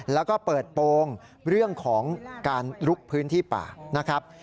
แล้วก็เปิดโปรงเรื่องของการลุกพื้นที่ป่านะครับ